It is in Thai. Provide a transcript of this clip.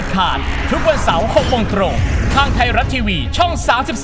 ผ่านทุกวันเสาร์๖โมงตรงทางไทยรัฐทีวีช่อง๓๒